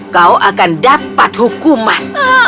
kau akan dapat hukuman